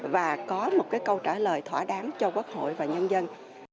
và có một câu trả lời thỏa đáng cho quốc hội và nhân dân